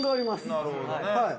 なるほどね。